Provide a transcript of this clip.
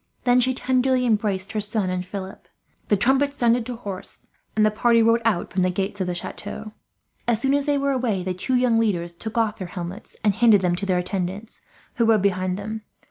Then she tenderly embraced her son and Philip, the trumpets sounded to horse, and the party rode out from the gates of the chateau. As soon as they were away, the two young leaders took off their helmets and handed them to their attendants, who rode behind them.